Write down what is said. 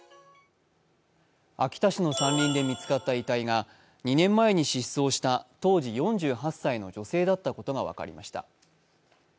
秋田市の山林で見つかった遺体が２年前に失踪した当時４８歳の女性だったことが分かりました。